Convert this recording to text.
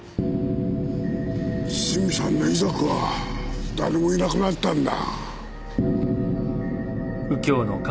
スミさんの遺族は誰もいなくなったんだ。